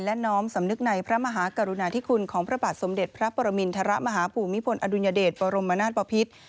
และน้อมสำนึกในพระมหากรุณาธิคุณของพระบาทสมเด็จพระปรมินทรมาฮภูมิพลอดุลยเดชบรมนาศปภิษ